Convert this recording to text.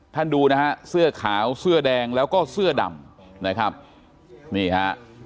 ดูนะฮะเสื้อขาวเสื้อแดงแล้วก็เสื้อดำนะครับนี่ฮะ